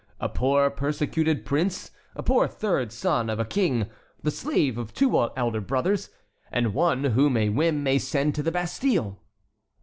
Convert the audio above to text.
a poor persecuted prince, a poor third son of a king, the slave of two elder brothers, and one whom a whim may send to the Bastille."